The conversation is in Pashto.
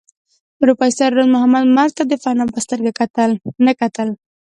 پروفېسر راز محمد مرګ ته د فناء په سترګه نه کتل